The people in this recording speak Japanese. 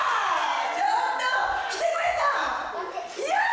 ちょっと！来てくれたん？